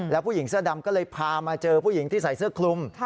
แล้วผู้หญิงเสื้อดำก็เลยพามาเจอผู้หญิงที่ใส่เสื้อคลุม